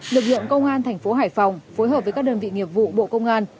lực lượng công an tp hải phòng phối hợp với các đơn vị nghiệp vụ bộ công an